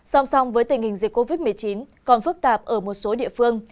song song với tình hình dịch covid một mươi chín còn phức tạp ở một số địa phương